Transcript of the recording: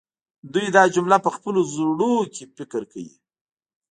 دوی دا جمله په خپلو زړونو کې فکر کوي